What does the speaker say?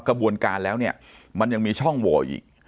กระบวนการแล้วเนี่ยมันยังมีช่องโหวอีก